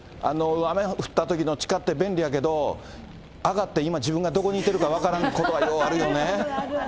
雨降ったときの地下って便利やけど、上がって今、自分がどこいてるか分からんことがようあるよね。